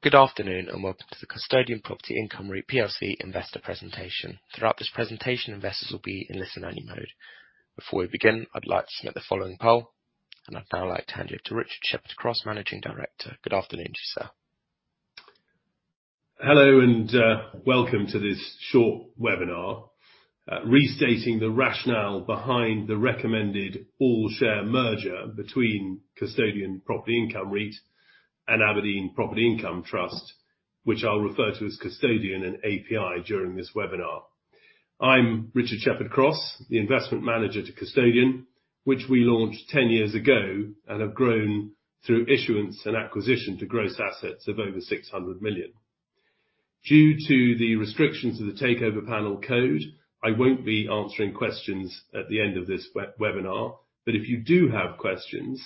Good afternoon and welcome to the Custodian Property Income REIT plc investor presentation. Throughout this presentation, investors will be in listen-only mode. Before we begin, I'd like to submit the following poll, and I'd now like to hand it over to Richard Shepherd-Cross, Managing Director. Good afternoon, Giselle. Hello and welcome to this short webinar, restating the rationale behind the recommended all-share merger between Custodian Property Income REIT and abrdn Property Income Trust, which I'll refer to as Custodian and API during this webinar. I'm Richard Shepherd-Cross, the investment manager to Custodian, which we launched 10 years ago and have grown through issuance and acquisition to gross assets of over 600 million. Due to the restrictions of the takeover panel code, I won't be answering questions at the end of this webinar, but if you do have questions,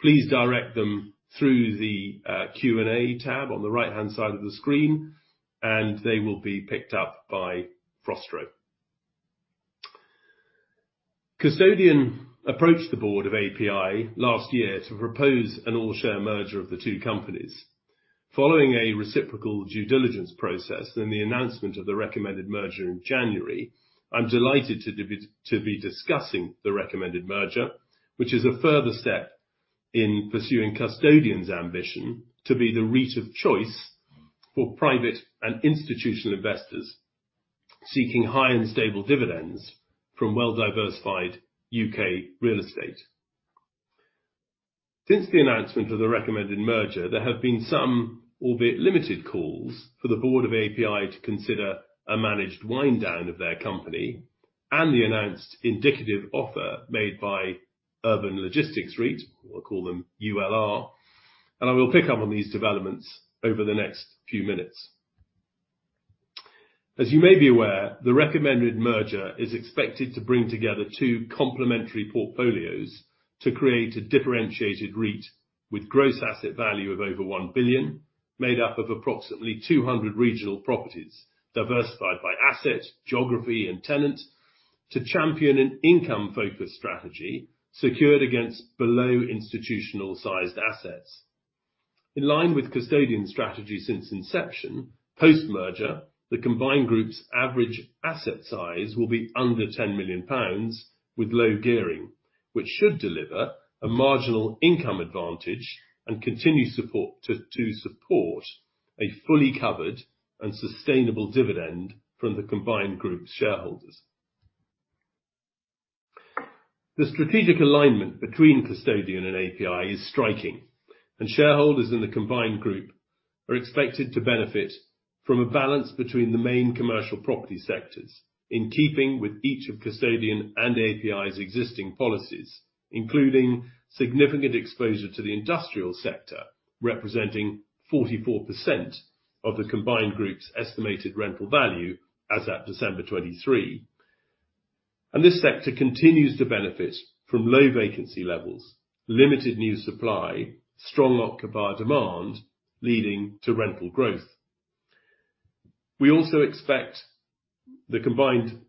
please direct them through the Q&A tab on the right-hand side of the screen, and they will be picked up by Frostrow. Custodian approached the board of API last year to propose an all-share merger of the two companies. Following a reciprocal due diligence process and the announcement of the recommended merger in January, I'm delighted to be discussing the recommended merger, which is a further step in pursuing Custodian's ambition to be the REIT of choice for private and institutional investors seeking high and stable dividends from well-diversified U.K. real estate. Since the announcement of the recommended merger, there have been some, albeit limited, calls for the board of API to consider a managed wind-down of their company and the announced indicative offer made by Urban Logistics REIT, or I'll call them ULR. And I will pick up on these developments over the next few minutes. As you may be aware, the recommended merger is expected to bring together two complementary portfolios to create a differentiated REIT with gross asset value of over 1 billion, made up of approximately 200 regional properties diversified by asset, geography, and tenant, to champion an income-focused strategy secured against below-institutional-sized assets. In line with Custodian's strategy since inception, post-merger, the combined group's average asset size will be under 10 million pounds with low gearing, which should deliver a marginal income advantage and continue to support a fully covered and sustainable dividend from the combined group's shareholders. The strategic alignment between Custodian and API is striking, and shareholders in the combined group are expected to benefit from a balance between the main commercial property sectors in keeping with each of Custodian and API's existing policies, including significant exposure to the industrial sector representing 44% of the combined group's estimated rental value as of December 23. This sector continues to benefit from low vacancy levels, limited new supply, strong occupier demand, leading to rental growth. We also expect the combined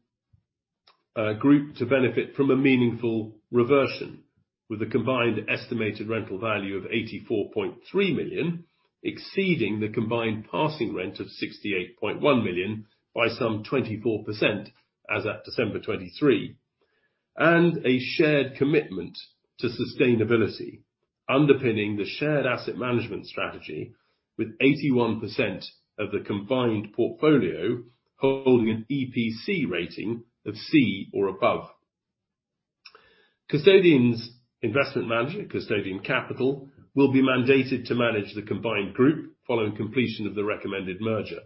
group to benefit from a meaningful reversion, with the combined estimated rental value of 84.3 million exceeding the combined passing rent of 68.1 million by some 24% as of December 23, and a shared commitment to sustainability underpinning the shared asset management strategy with 81% of the combined portfolio holding an EPC rating of C or above. Custodian's investment manager, Custodian Capital, will be mandated to manage the combined group following completion of the recommended merger.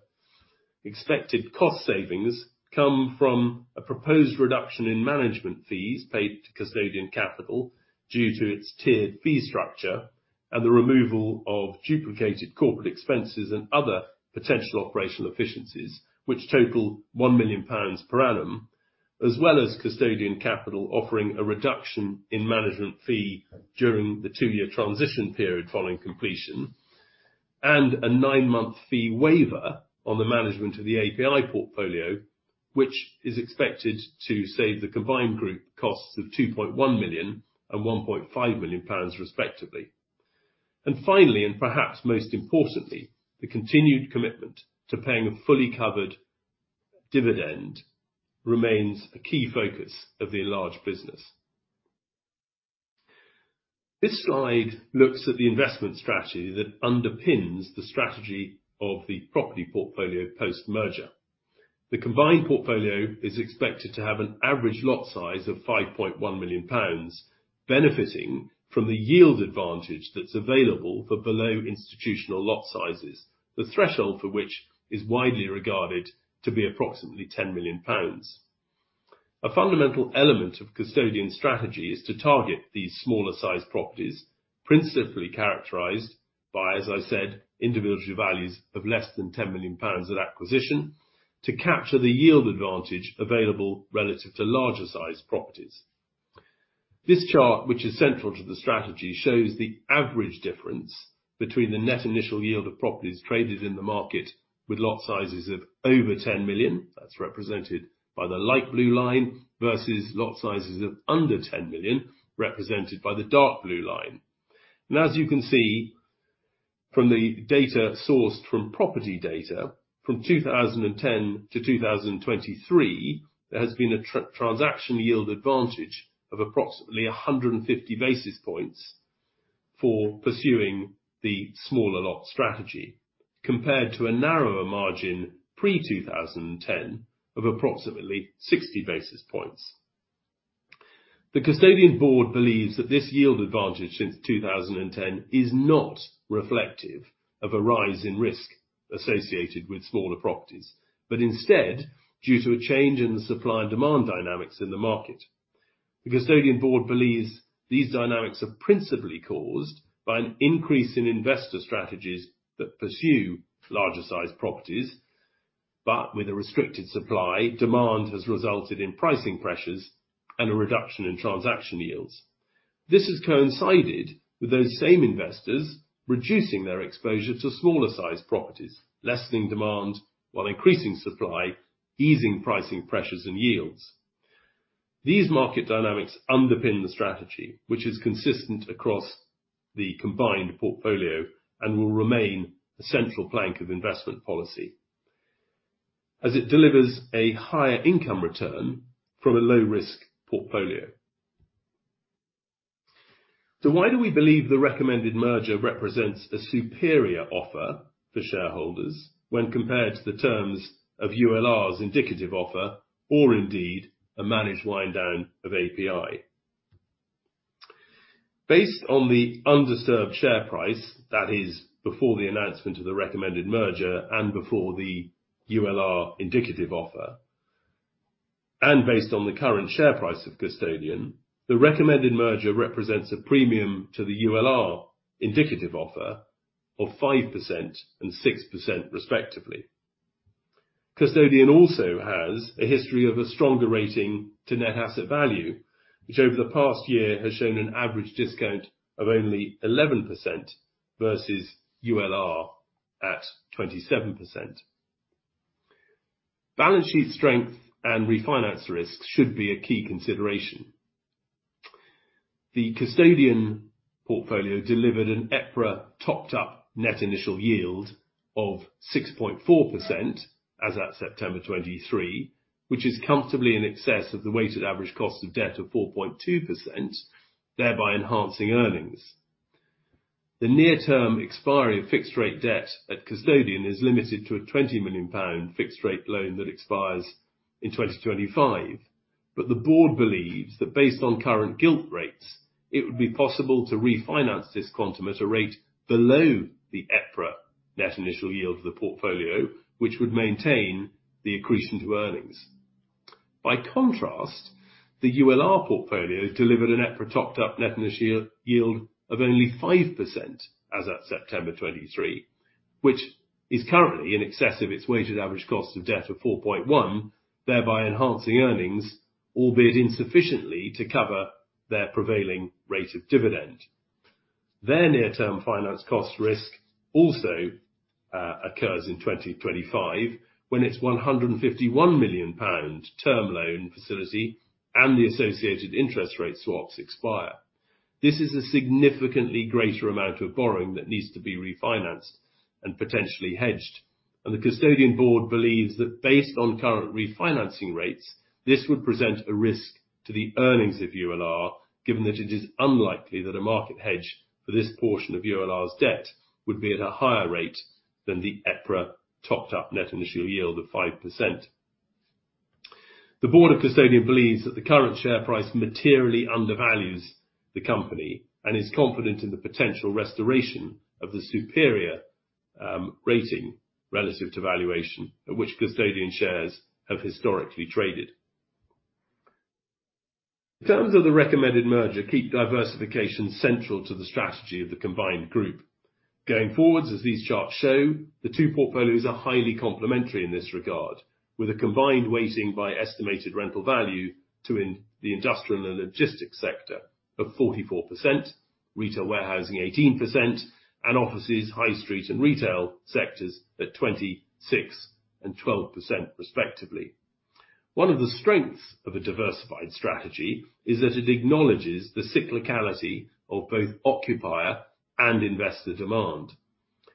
Expected cost savings come from a proposed reduction in management fees paid to Custodian Capital due to its tiered fee structure and the removal of duplicated corporate expenses and other potential operational efficiencies, which total 1 million pounds per annum, as well as Custodian Capital offering a reduction in management fee during the two-year transition period following completion, and a nine-month fee waiver on the management of the API portfolio, which is expected to save the combined group costs of 2.1 million and 1.5 million pounds, respectively. And finally, and perhaps most importantly, the continued commitment to paying a fully covered dividend remains a key focus of the enlarged business. This slide looks at the investment strategy that underpins the strategy of the property portfolio post-merger. The combined portfolio is expected to have an average lot size of 5.1 million pounds, benefiting from the yield advantage that's available for below-institutional lot sizes, the threshold for which is widely regarded to be approximately 10 million pounds. A fundamental element of Custodian's strategy is to target these smaller-sized properties, principally characterized by, as I said, individual values of less than 10 million pounds at acquisition, to capture the yield advantage available relative to larger-sized properties. This chart, which is central to the strategy, shows the average difference between the net initial yield of properties traded in the market with lot sizes of over 10 million that's represented by the light blue line versus lot sizes of under 10 million represented by the dark blue line. As you can see from the data sourced from property data from 2010 to 2023, there has been a transaction yield advantage of approximately 150 basis points for pursuing the smaller lot strategy compared to a narrower margin pre-2010 of approximately 60 basis points. The Custodian board believes that this yield advantage since 2010 is not reflective of a rise in risk associated with smaller properties, but instead due to a change in the supply and demand dynamics in the market. The Custodian board believes these dynamics are principally caused by an increase in investor strategies that pursue larger-sized properties, but with a restricted supply, demand has resulted in pricing pressures and a reduction in transaction yields. This has coincided with those same investors reducing their exposure to smaller-sized properties, lessening demand while increasing supply, easing pricing pressures and yields. These market dynamics underpin the strategy, which is consistent across the combined portfolio and will remain a central plank of investment policy as it delivers a higher income return from a low-risk portfolio. So why do we believe the recommended merger represents a superior offer for shareholders when compared to the terms of ULR's indicative offer or, indeed, a managed wind-down of API? Based on the undisturbed share price, that is, before the announcement of the recommended merger and before the ULR indicative offer, and based on the current share price of Custodian, the recommended merger represents a premium to the ULR indicative offer of 5% and 6%, respectively. Custodian also has a history of a stronger rating to net asset value, which over the past year has shown an average discount of only 11% versus ULR at 27%. Balance sheet strength and refinance risks should be a key consideration. The Custodian portfolio delivered an EPRA topped-up net initial yield of 6.4% as of September 23, which is comfortably in excess of the weighted average cost of debt of 4.2%, thereby enhancing earnings. The near-term expiry of fixed-rate debt at Custodian is limited to a 20 million pound fixed-rate loan that expires in 2025. But the board believes that based on current gilt rates, it would be possible to refinance this quantum at a rate below the EPRA net initial yield of the portfolio, which would maintain the accretion to earnings. By contrast, the ULR portfolio delivered an EPRA topped-up net initial yield of only 5% as of September 23, which is currently in excess of its weighted average cost of debt of 4.1%, thereby enhancing earnings, albeit insufficiently, to cover their prevailing rate of dividend. Their near-term finance cost risk also occurs in 2025 when its 151 million pound term loan facility and the associated interest rate swaps expire. This is a significantly greater amount of borrowing that needs to be refinanced and potentially hedged. And the Custodian board believes that based on current refinancing rates, this would present a risk to the earnings of ULR, given that it is unlikely that a market hedge for this portion of ULR's debt would be at a higher rate than the EPRA topped-up net initial yield of 5%. The board of Custodian believes that the current share price materially undervalues the company and is confident in the potential restoration of the superior rating relative to valuation at which Custodian shares have historically traded. In terms of the recommended merger, keep diversification central to the strategy of the combined group. Going forward, as these charts show, the two portfolios are highly complementary in this regard, with a combined weighting by estimated rental value to the industrial and logistics sector of 44%, retail warehousing 18%, and offices, high street, and retail sectors at 26% and 12%, respectively. One of the strengths of a diversified strategy is that it acknowledges the cyclicality of both occupier and investor demand.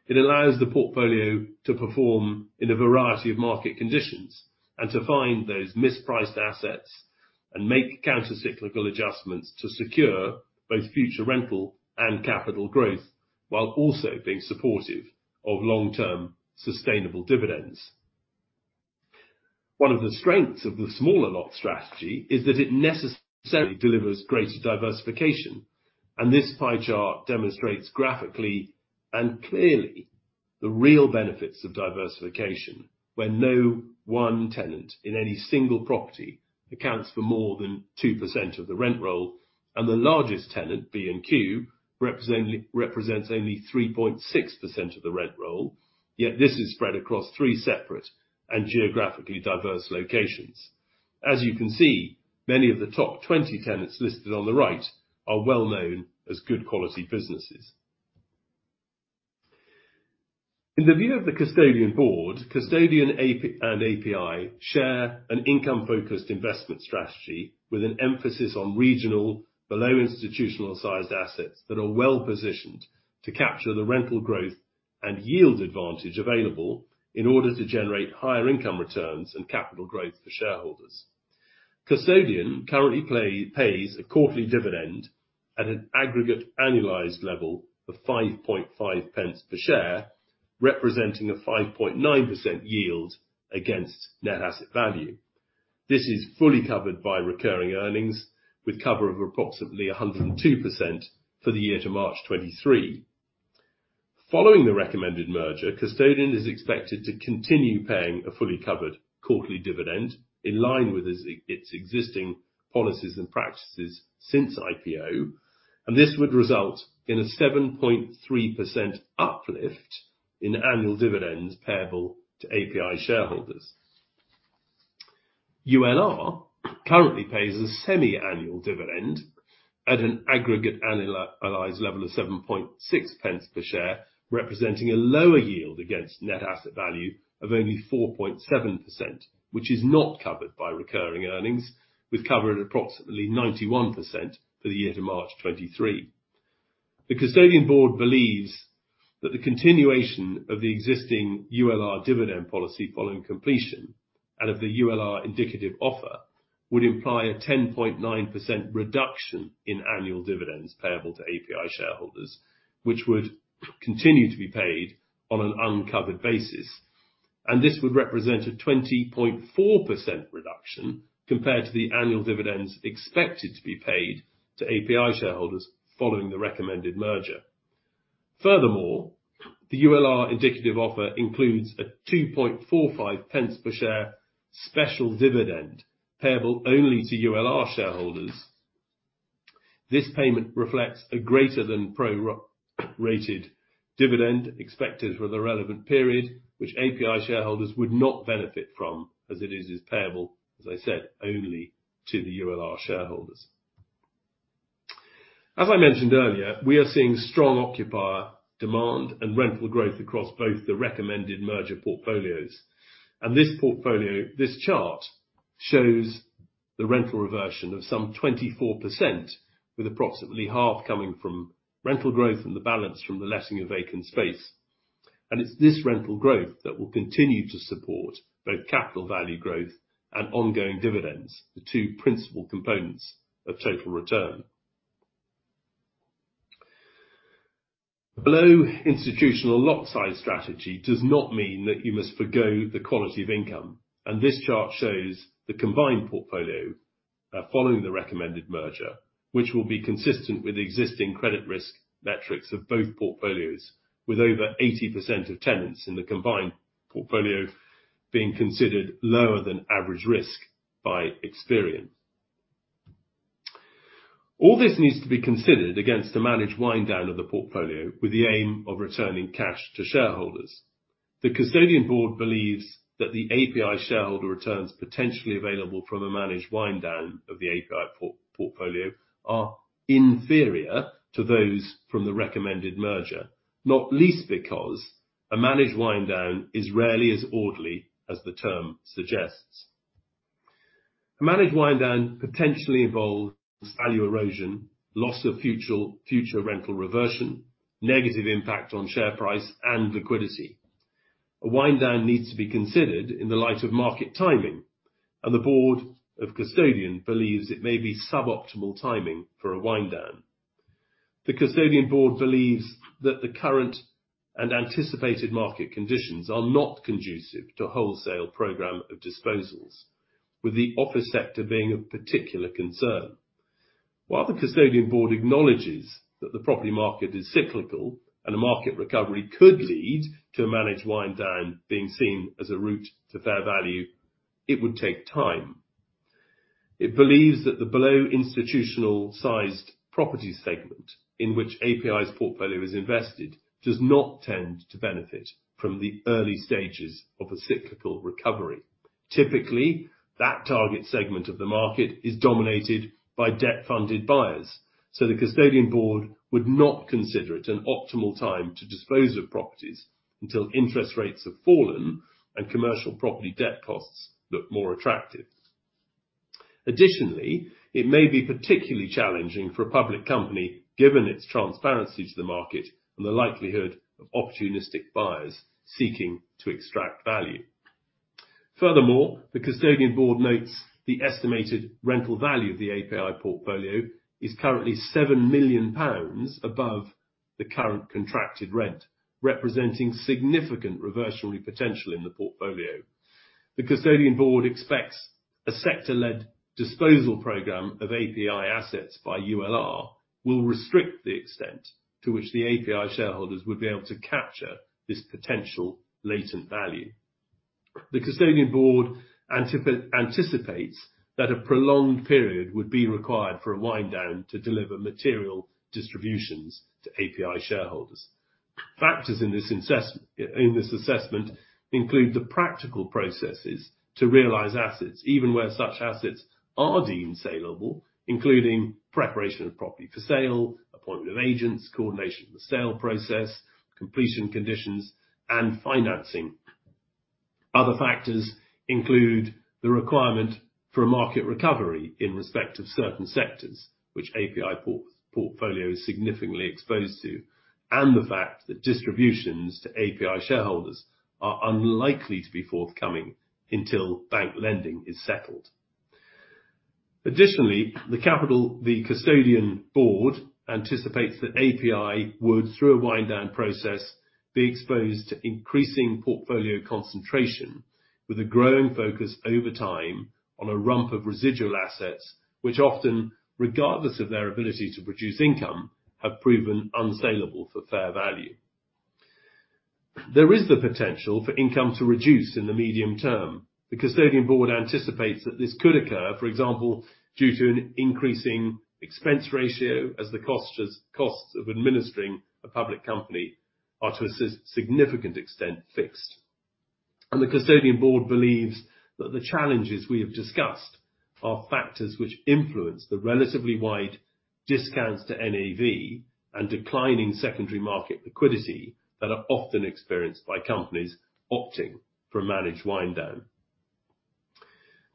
It allows the portfolio to perform in a variety of market conditions and to find those mispriced assets and make counter-cyclical adjustments to secure both future rental and capital growth while also being supportive of long-term sustainable dividends. One of the strengths of the smaller lot strategy is that it necessarily delivers greater diversification. This pie chart demonstrates graphically and clearly the real benefits of diversification when no one tenant in any single property accounts for more than 2% of the rent roll. The largest tenant, B&Q, represents only 3.6% of the rent roll. Yet this is spread across three separate and geographically diverse locations. As you can see, many of the top 20 tenants listed on the right are well known as good quality businesses. In the view of the Custodian board, Custodian and API share an income-focused investment strategy with an emphasis on regional, below-institutional-sized assets that are well positioned to capture the rental growth and yield advantage available in order to generate higher income returns and capital growth for shareholders. Custodian currently pays a quarterly dividend at an aggregate annualized level of 5.5 pence per share, representing a 5.9% yield against net asset value. This is fully covered by recurring earnings, with cover of approximately 102% for the year to March 2023. Following the recommended merger, Custodian is expected to continue paying a fully covered quarterly dividend in line with its existing policies and practices since IPO. And this would result in a 7.3% uplift in annual dividends payable to API shareholders. ULR currently pays a semi-annual dividend at an aggregate annualized level of 0.076 per share, representing a lower yield against net asset value of only 4.7%, which is not covered by recurring earnings, with cover at approximately 91% for the year to March 2023. The Custodian board believes that the continuation of the existing ULR dividend policy following completion and of the ULR indicative offer would imply a 10.9% reduction in annual dividends payable to API shareholders, which would continue to be paid on an uncovered basis. This would represent a 20.4% reduction compared to the annual dividends expected to be paid to API shareholders following the recommended merger. Furthermore, the ULR indicative offer includes a 0.0245 per share special dividend payable only to ULR shareholders. This payment reflects a greater than pro-rated dividend expected for the relevant period, which API shareholders would not benefit from as it is payable, as I said, only to the ULR shareholders. As I mentioned earlier, we are seeing strong occupier demand and rental growth across both the recommended merger portfolios. This portfolio, this chart shows the rental reversion of some 24%, with approximately half coming from rental growth and the balance from the letting of vacant space. It's this rental growth that will continue to support both capital value growth and ongoing dividends, the two principal components of total return. A low-institutional lot-sized strategy does not mean that you must forgo the quality of income. This chart shows the combined portfolio following the recommended merger, which will be consistent with existing credit risk metrics of both portfolios, with over 80% of tenants in the combined portfolio being considered lower than average risk by Experian. All this needs to be considered against a managed wind-down of the portfolio with the aim of returning cash to shareholders. The Custodian board believes that the API shareholder returns potentially available from a managed wind-down of the API portfolio are inferior to those from the recommended merger, not least because a managed wind-down is rarely as orderly as the term suggests. A managed wind-down potentially involves value erosion, loss of future rental reversion, negative impact on share price, and liquidity. A wind-down needs to be considered in the light of market timing. The board of Custodian believes it may be suboptimal timing for a wind-down. The Custodian board believes that the current and anticipated market conditions are not conducive to wholesale program of disposals, with the office sector being of particular concern. While the Custodian board acknowledges that the property market is cyclical and a market recovery could lead to a managed wind-down being seen as a route to fair value, it would take time. It believes that the below-institutional-sized property segment in which API's portfolio is invested does not tend to benefit from the early stages of a cyclical recovery. Typically, that target segment of the market is dominated by debt-funded buyers. The Custodian board would not consider it an optimal time to dispose of properties until interest rates have fallen and commercial property debt costs look more attractive. Additionally, it may be particularly challenging for a public company given its transparency to the market and the likelihood of opportunistic buyers seeking to extract value. Furthermore, the Custodian board notes the estimated rental value of the API portfolio is currently 7 million pounds above the current contracted rent, representing significant reversionary potential in the portfolio. The Custodian board expects a sector-led disposal program of API assets by ULR will restrict the extent to which the API shareholders would be able to capture this potential latent value. The Custodian board anticipates that a prolonged period would be required for a wind-down to deliver material distributions to API shareholders. Factors in this assessment include the practical processes to realize assets, even where such assets are deemed saleable, including preparation of property for sale, appointment of agents, coordination of the sale process, completion conditions, and financing. Other factors include the requirement for a market recovery in respect of certain sectors, which API portfolio is significantly exposed to, and the fact that distributions to API shareholders are unlikely to be forthcoming until bank lending is settled. Additionally, the Custodian board anticipates that API would, through a wind-down process, be exposed to increasing portfolio concentration, with a growing focus over time on a rump of residual assets, which often, regardless of their ability to produce income, have proven unsaleable for fair value. There is the potential for income to reduce in the medium term. The Custodian board anticipates that this could occur, for example, due to an increasing expense ratio as the costs of administering a public company are to a significant extent fixed. The Custodian board believes that the challenges we have discussed are factors which influence the relatively wide discounts to NAV and declining secondary market liquidity that are often experienced by companies opting for a managed wind-down.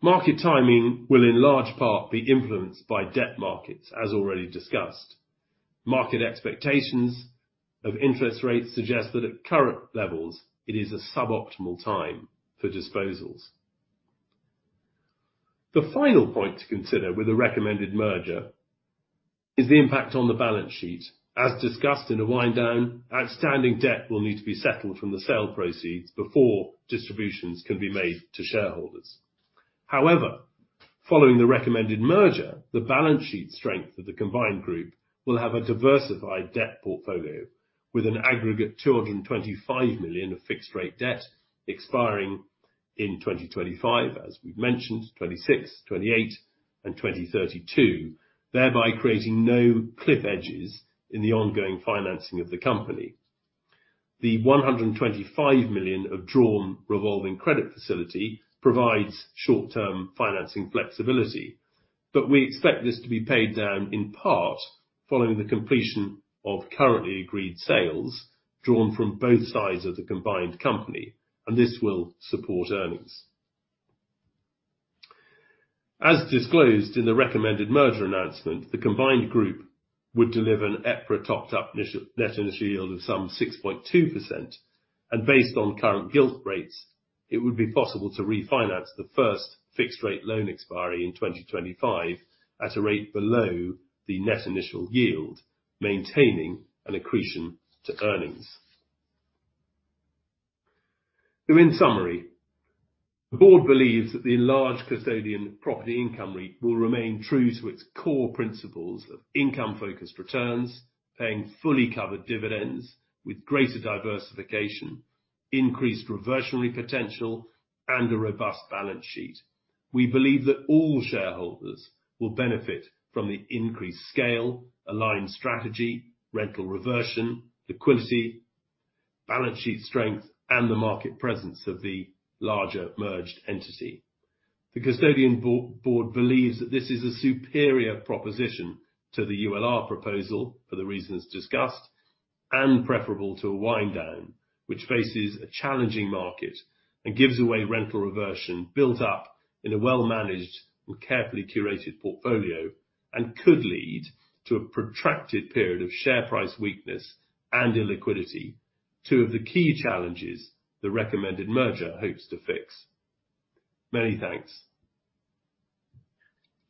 Market timing will, in large part, be influenced by debt markets, as already discussed. Market expectations of interest rates suggest that at current levels, it is a suboptimal time for disposals. The final point to consider with a recommended merger is the impact on the balance sheet. As discussed in a wind-down, outstanding debt will need to be settled from the sale proceeds before distributions can be made to shareholders. However, following the recommended merger, the balance sheet strength of the combined group will have a diversified debt portfolio with an aggregate 225 million of fixed-rate debt expiring in 2025, as we've mentioned, 2026, 2028, and 2032, thereby creating no cliff edges in the ongoing financing of the company. The 125 million of drawn revolving credit facility provides short-term financing flexibility. We expect this to be paid down in part following the completion of currently agreed sales drawn from both sides of the combined company. This will support earnings. As disclosed in the recommended merger announcement, the combined group would deliver an EPRA topped-up net initial yield of some 6.2%. Based on current gilt rates, it would be possible to refinance the first fixed-rate loan expiry in 2025 at a rate below the net initial yield, maintaining an accretion to earnings. So, in summary, the board believes that the enlarged Custodian Property Income REIT will remain true to its core principles of income-focused returns, paying fully covered dividends with greater diversification, increased reversionary potential, and a robust balance sheet. We believe that all shareholders will benefit from the increased scale, aligned strategy, rental reversion, liquidity, balance sheet strength, and the market presence of the larger merged entity. The Custodian board believes that this is a superior proposition to the ULR proposal for the reasons discussed and preferable to a wind-down, which faces a challenging market and gives away rental reversion built up in a well-managed and carefully curated portfolio and could lead to a protracted period of share price weakness and illiquidity, two of the key challenges the recommended merger hopes to fix. Many thanks.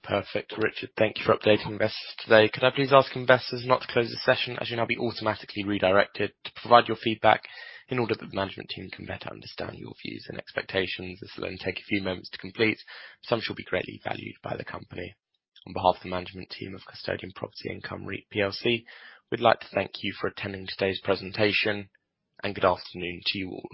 Perfect, Richard. Thank you for updating investors today. Could I please ask investors not to close the session as you now be automatically redirected to provide your feedback in order that the management team can better understand your views and expectations? This will only take a few moments to complete. Some shall be greatly valued by the company. On behalf of the management team of Custodian Property Income REIT plc, we'd like to thank you for attending today's presentation. Good afternoon to you all.